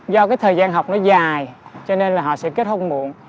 do cái thời gian học nó dài cho nên là họ sẽ kết hôn muộn